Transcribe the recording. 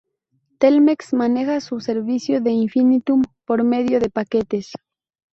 Telmex maneja su servicio de Infinitum por medio de paquetes.